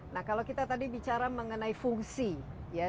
nah kalau kita tadi bicara mengenai fungsi ya